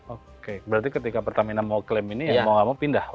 oke berarti ketika pertamina mau klaim ini ya mau nggak mau pindah